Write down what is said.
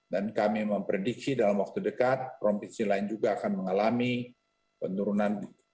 dan kami memprediksi dalam waktu dekat provinsi lain juga akan mengalami penurunan